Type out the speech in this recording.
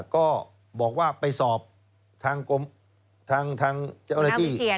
ก็บอกว่าไปสอบทางเจ้าหน้าที่